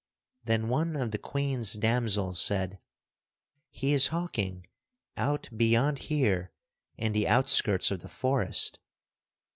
Then one of the Queen's damsels said, "He is hawking out beyond here in the outskirts of the forest."